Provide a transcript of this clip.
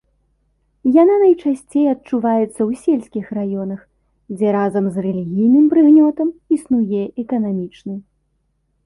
Яна найчасцей адчуваецца ў сельскіх раёнах, дзе разам з рэлігійным прыгнётам існуе эканамічны.